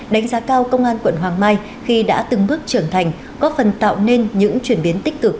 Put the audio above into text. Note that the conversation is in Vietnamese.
đánh giá cao công an quận hoàng mai khi đã từng bước trưởng thành có phần tạo nên những chuyển biến tích cực